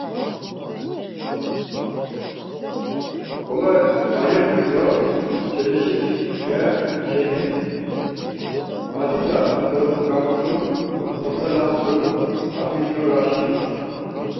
Ǩolai ayert̆u da Çeleşipxe şeni; macida dodgamt̆u moselamt̆u apiçoraşi.